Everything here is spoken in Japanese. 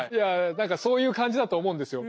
何かそういう感じだと思うんですよ。